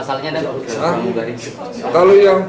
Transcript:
ya ketemu langsung